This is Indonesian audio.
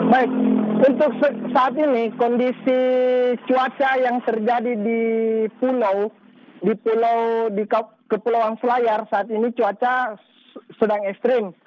baik untuk saat ini kondisi cuaca yang terjadi di pulau kepulauan selayar saat ini cuaca sedang ekstrim